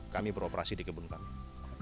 kami beroperasi di kebun kami